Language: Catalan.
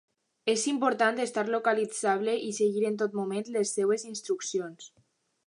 És important estar localitzable i seguir en tot moment les seves instruccions.